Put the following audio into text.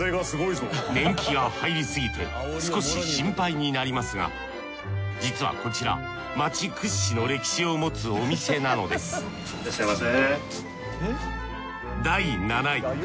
年季が入りすぎて少し心配になりますが実はこちら街屈指の歴史を持つお店なのですいらっしゃいませ。